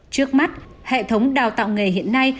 trước mắt hệ thống đào tạo nghề hiện nay